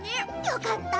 よかった。